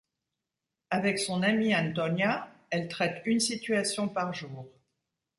Avec son amie Antonia, elle traite une situation par jour.